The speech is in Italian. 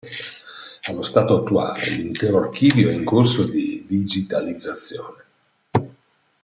Allo stato attuale, l'intero archivio è in corso di digitalizzazione.